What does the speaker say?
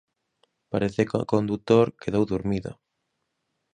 Parece que o condutor quedou durmido.